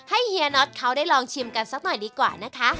เฮียน็อตเขาได้ลองชิมกันสักหน่อยดีกว่านะคะ